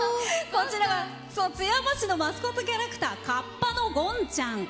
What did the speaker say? こちらは津山市のマスコットキャラクターかっぱのごんちゃん。